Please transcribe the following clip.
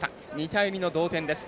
２対２の同点です。